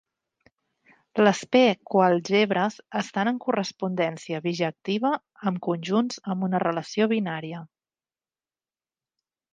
Les "P-coalgebres" estan en correspondència bijectiva amb conjunts amb una relació binària.